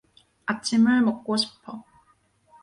아침을 먹고 싶어.